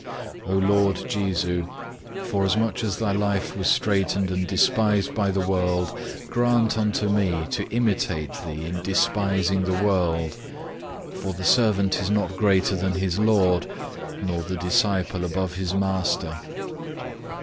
3. O Lord Jesu, forasmuch as Thy life was straitened and despised by the world, grant unto me to imitate Thee in despising the world, for the servant is not greater than his lord, nor the disciple above his master.